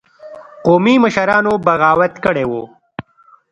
قومي مشرانو بغاوت کړی وو.